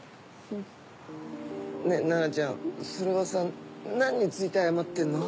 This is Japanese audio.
うん。ねぇ菜奈ちゃんそれはさ何について謝ってるの？